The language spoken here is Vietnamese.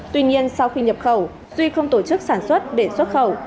tuy nhiên sau khi nhập khẩu duy không tổ chức sản xuất để xuất khẩu